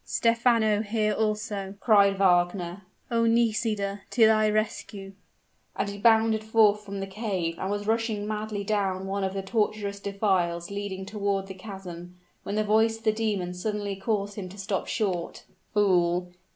"Stephano here also!" cried Wagner. "Oh! Nisida to thy rescue!" And he bounded forth from the cave, and was rushing madly down one of the tortuous defiles leading toward the chasm, when the voice of the demon suddenly caused him to stop short. "Fool!